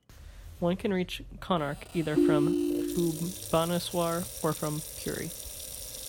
One can reach Konark either from Bhubaneswar or from Puri.